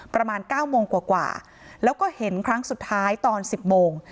ประมาณ๙โมงกว่าแล้วก็เห็นครั้งสุดท้ายตอน๑๐โมง